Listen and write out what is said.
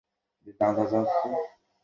হাতুড়ির সাথে বিষপাত্রের।